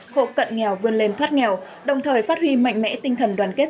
hộ cận nghèo vươn lên thoát nghèo đồng thời phát huy mạnh mẽ tinh thần đoàn kết